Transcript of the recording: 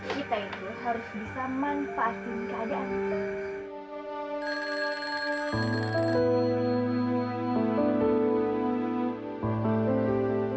kita itu harus bisa manfaatin keadaan